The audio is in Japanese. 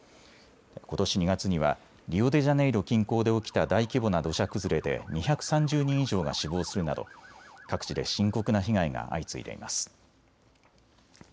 ことし２月にはリオデジャネイロ近郊で起きた大規模な土砂崩れで２３０人以上が死亡するなど各地で深刻な被害が相次いでいます。